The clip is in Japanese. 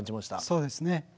そうですね。